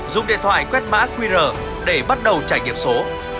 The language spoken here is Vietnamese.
dùng điện thoại quét mã qr để bắt đầu trải nghiệm số